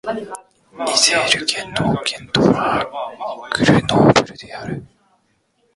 イゼール県の県都はグルノーブルである